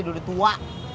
dulu dia tua